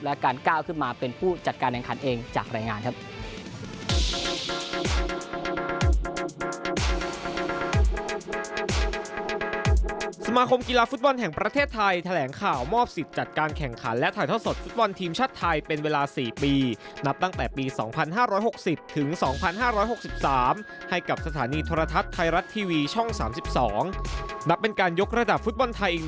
และการก้าวขึ้นมาเป็นผู้จัดการแข่งขันเองจากรายงานครับ